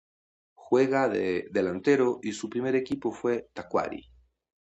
Juega de delantero y su primer equipo fue Tacuary.